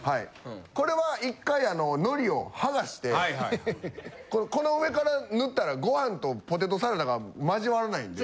これは１回あののりを剥がしてこの上から塗ったらご飯とポテトサラダが交わらないんで。